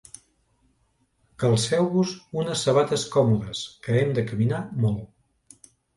Calceu-vos unes sabates còmodes, que hem de caminar molt.